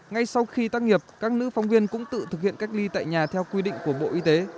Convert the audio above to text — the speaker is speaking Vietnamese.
ngay sau khi tác nghiệp các nữ phóng viên cũng tự thực hiện cách ly tại nhà theo quy định của bộ y tế